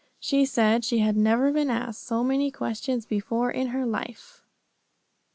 She said she had never been asked so many questions before in her life.